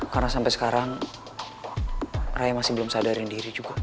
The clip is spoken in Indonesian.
karena sampai sekarang raya masih belum sadarin diri juga